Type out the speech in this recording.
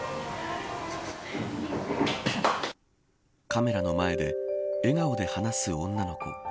カメラの前で笑顔で話す女の子。